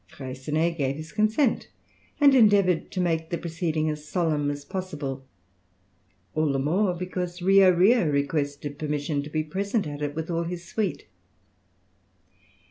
Freycinet gave his consent, and endeavoured to make the proceeding as solemn as possible, all the more because Rio Rio requested permission to be present at it with all his suite.